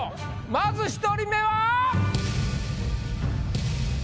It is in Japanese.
まず１人目は。